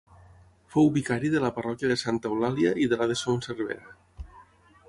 Fou vicari de la parròquia de Santa Eulàlia i de la de Son Cervera.